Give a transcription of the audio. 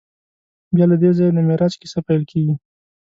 بیا له دې ځایه د معراج کیسه پیل کېږي.